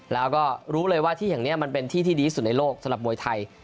แล้วก็รู้เลยว่าที่แห่งนี้มันเป็นที่ที่ดีที่สุดในโลกสำหรับมวยไทย